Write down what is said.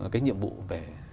cái nhiệm vụ về